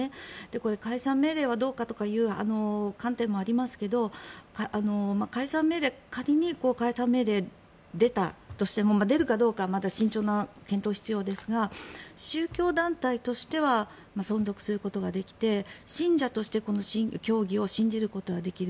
これ、解散命令はどうかという観点もありますが仮に解散命令が出たとしても出るかどうかはまだ慎重な検討が必要ですが宗教団体としては存続することができて信者としてこの教義を信じることはできる。